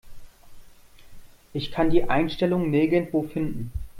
Ich kann die Einstellung nirgendwo finden.